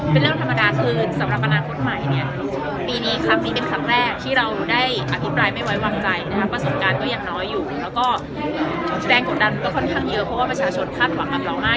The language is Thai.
แปลงกดดันก็ค่อนข้างเยอะเพราะว่าประชาชนคาดหวังกับเรามาก